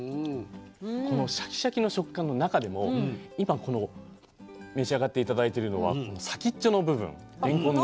このシャキシャキの食感の中でも今この召し上がって頂いてるのは先っちょの部分れんこんの。